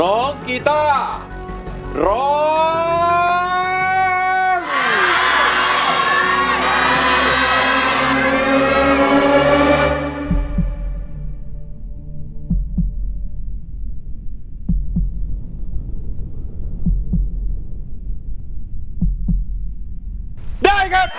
น้องกีต้าร้อน้องกีต้าร้อน้องกีต้าร้อได้ครับ